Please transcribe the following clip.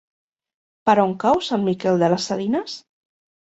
Per on cau Sant Miquel de les Salines?